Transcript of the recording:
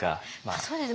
そうですね